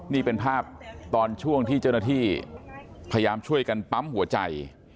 นี่เป็นภาพตอนช่วงที่เจ้าหน้าที่พยายามช่วยกันปั๊มหัวใจ